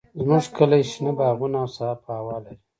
زموږ کلی شنه باغونه او صافه هوا لري.